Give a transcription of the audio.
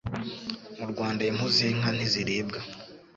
Mu Rwanda impu z'inka ntiziribwa,